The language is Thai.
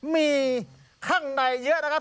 มีข้างในเยอะนะครับ